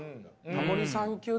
タモリさん級。